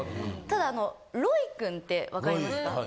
ただ、ロイ君って分かりますか？